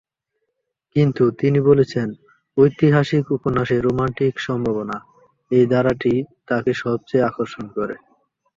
কিন্তু তিনি বলেছেন "ঐতিহাসিক উপন্যাসে রোমান্টিক সম্ভাবনা" এই ধারাটি তাকে সবচেয়ে আকর্ষণ করে।